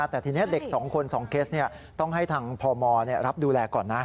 แต่ทีนี้เด็ก๒คน๒เคสต้องให้ทางพมรับดูแลก่อนนะ